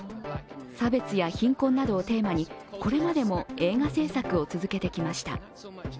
差別や貧困などをテーマにこれまでも映画製作を続けてきました。